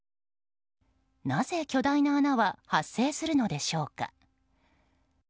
なぜ巨大な穴は発生するのでしょうか？